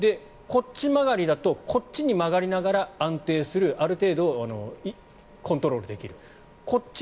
こっち曲がりだとこっちに曲がりながら安定するある程度、コントロールできる。